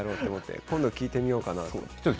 今度、聞いてみようかな。